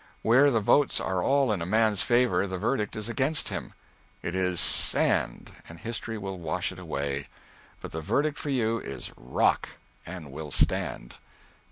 Where the votes are all in a man's favor the verdict is against him. It is sand, and history will wash it away. But the verdict for you is rock, and will stand.